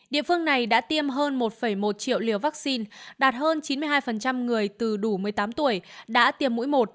địa phương này đã tiêm hơn một một triệu liều vaccine đạt hơn chín mươi hai người từ đủ một mươi tám tuổi đã tiêm mũi một